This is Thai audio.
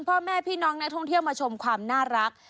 พ่อแม่พี่น้องนักท่องเที่ยวมาชมความน่ารัก